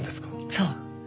そう。